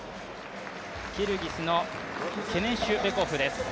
キルギスのケネシュベコフです。